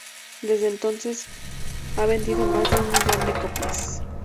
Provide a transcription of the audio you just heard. Desde entonces ha vendido más de un millón de copias.